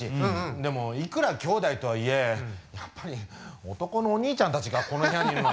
でもいくらきょうだいとはいえやっぱり男のお兄ちゃんたちがこの部屋にいるのはどうかしら。